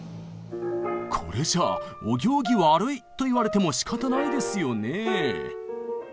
これじゃあお行儀悪いと言われてもしかたないですよねえ。